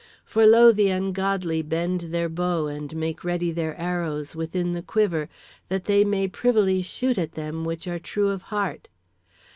For lo, the ungodly bend their bow and make ready their arrows within the quiver, that they may privily shoot at them which are true of heart.